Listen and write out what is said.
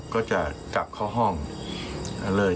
ก็จะกลับเข้าห้องเลย